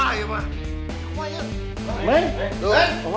si neng kemana eh